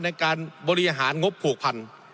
ในการบริหารงบบกว่า๖๐๐๐